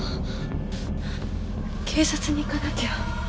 警察に行かなきゃ。